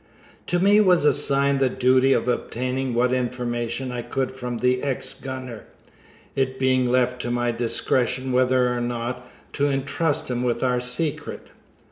To me was assigned the duty of obtaining what information I could from the ex gunner, it being left to my discretion whether or not to intrust him with our secret.